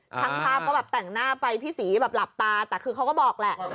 ช่างภาพก็แบบแต่งหน้าไปพี่ศรีแบบหลับตาแต่คือเขาก็บอกแหละ